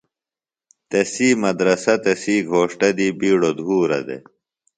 تسی مدرسہ تسی گھوݜٹہ دی بِیڈوۡ دُھورہ دےۡ۔